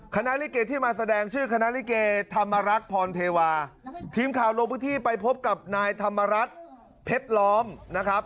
ลิเกที่มาแสดงชื่อคณะลิเกธรรมรักษ์พรเทวาทีมข่าวลงพื้นที่ไปพบกับนายธรรมรัฐเพชรล้อมนะครับ